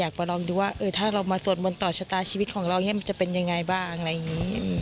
มาลองดูว่าถ้าเรามาสวดมนต์ต่อชะตาชีวิตของเรามันจะเป็นยังไงบ้างอะไรอย่างนี้